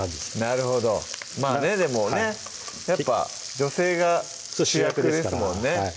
なるほどまぁねでもねやっぱ女性が主役ですもんね